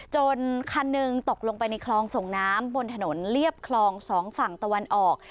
คันหนึ่งตกลงไปในคลองส่งน้ำบนถนนเรียบคลอง๒ฝั่งตะวันออก